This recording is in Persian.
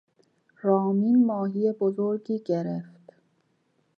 رامین ماهی بزرگی گرفت.